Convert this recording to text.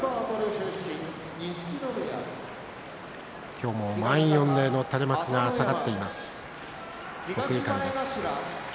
今日も満員御礼の垂れ幕が下がっています、国技館です。